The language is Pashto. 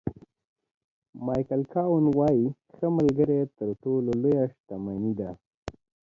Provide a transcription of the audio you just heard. مایکل کاون وایي ښه ملګری تر ټولو لویه شتمني ده.